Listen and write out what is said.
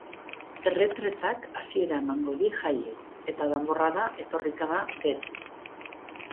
Erretretak hasiera emango die jaiei, eta danborrada etorriko da gero.